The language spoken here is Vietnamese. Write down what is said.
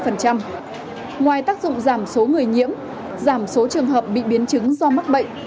ngoài tác dụng giảm số người nhiễm giảm số trường hợp bị biến chứng do mắc bệnh